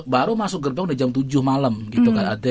baru masuk gerbang udah jam tujuh malam gitu kan